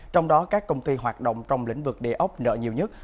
trong đó các công ty hoạt động trong lĩnh vực đề ốc nợ nhiều nhất